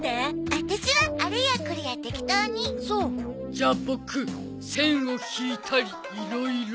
じゃあボク線を引いたりいろいろ。